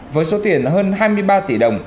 với số tiền hơn hai mươi ba tỷ đồng